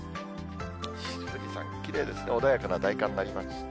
富士山、きれいですね、穏やかな大寒になりました。